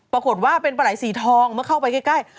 ปรากฏว่าเป็นปลาไหลสีทองเมื่อเข้าไปใกล้